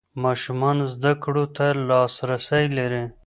ماشومان زده کړو ته لاسرسی لري.